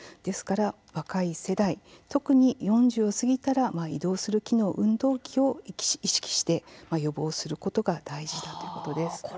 ですから若い世代特に４０を過ぎたら移動する機能、運動器を意識して予防することが大事だということです。